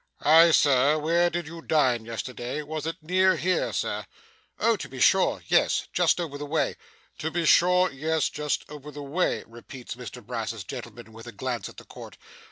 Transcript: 'Aye, sir, where did you dine yesterday was it near here, sir?' 'Oh to be sure yes just over the way.' 'To be sure. Yes. Just over the way,' repeats Mr Brass's gentleman, with a glance at the court.